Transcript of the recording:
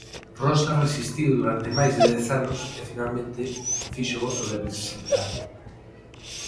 Rosa resistiu durante máis de dez anos e finalmente fixo voto de virxindade.